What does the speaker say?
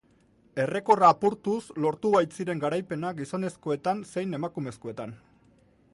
Errekorra apurtuz lortu baitziren garaipenak gizonezkoetan zein emakumezkoetan.